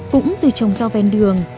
cũng từ trồng rau ven đường